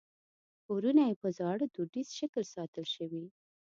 کورونه یې په زاړه دودیز شکل ساتل شوي.